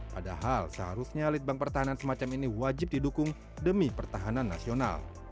padahal seharusnya litbang pertahanan semacam ini wajib didukung demi pertahanan nasional